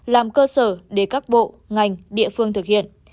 làm cơ sở để các bộ ngành địa phương thực hiện